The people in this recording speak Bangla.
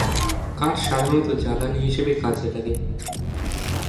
কাঠ সাধারণত জ্বালানি হিসেবেই কাজে লাগে।